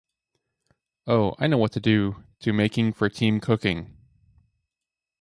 Oh, I know what to do, to making for team cooking.